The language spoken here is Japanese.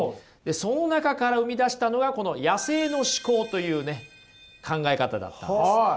その中から生み出したのはこの野生の思考という考え方だったんです。